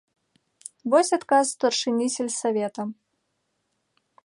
Вось адказ старшыні сельсавета.